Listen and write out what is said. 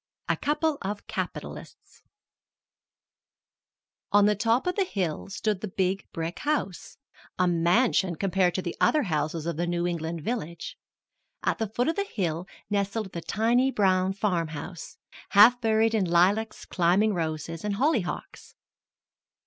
A Couple of Capitalists On the top of the hill stood the big brick house a mansion, compared to the other houses of the New England village. At the foot of the hill nestled the tiny brown farmhouse, half buried in lilacs, climbing roses, and hollyhocks.